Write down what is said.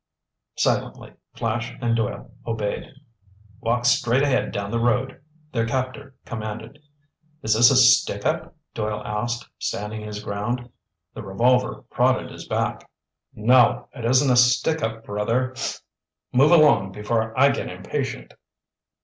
Silently Flash and Doyle obeyed. "Walk straight ahead down the road," their captor commanded. "Is this a stick up?" Doyle asked, standing his ground. The revolver prodded his back. "No, it isn't a stick up, brother. Move along before I get impatient."